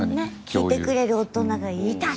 聞いてくれる大人がいた！